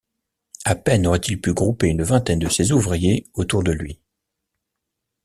À peine aurait-il pu grouper une vingtaine de ses ouvriers autour de lui.